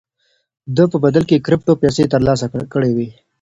ده په بدل کې کرېپټو پيسې ترلاسه کړې وې.